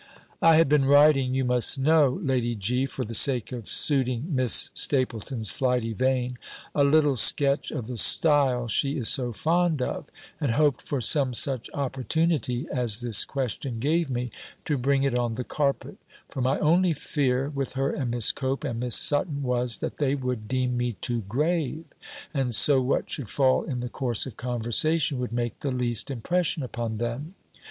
I had been writing (you must know, Lady G.) for the sake of suiting Miss Stapylton's flighty vein, a little sketch of the style she is so fond of; and hoped for some such opportunity as this question gave me, to bring it on the carpet; for my only fear, with her and Miss Cope, and Miss Sutton, was, that they would deem me too grave; and so what should fall in the course of conversation, would make the least impression upon them.